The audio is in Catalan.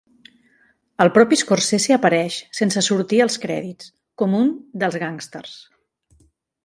El propi Scorsese apareix, sense sortir als crèdits, com un dels gàngsters.